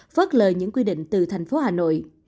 vớt lời những quy định từ tp hà nội